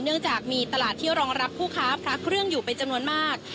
เนื่องจากมีตลาดที่รองรับผู้ค้าพระเครื่องอยู่เป็นจำนวนมาก